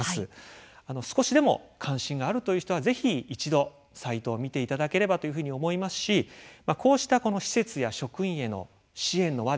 少しでも関心があるという人は是非一度サイトを見ていただければというふうに思いますしこうしたこの施設や職員への支援の輪ですね